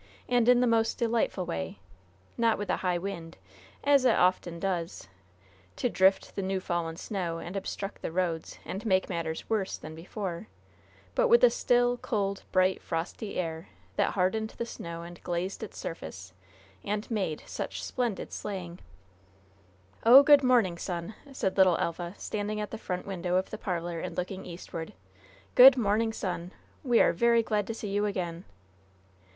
And in the most delightful way. Not with a high wind, as it often does, to drift the new fallen snow and obstruct the roads and make matters worse than before; but with a still, cold, bright, frosty air that hardened the snow and glazed its surface and made such splendid sleighing. "Oh, good morning, Sun!" said little Elva, standing at the front window of the parlor and looking eastward. "Good morning, Sun! We are very glad to see you again!"